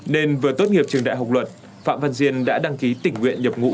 nên vừa tốt nghiệp trường đại học nông lâm đại học huế đinh minh hậu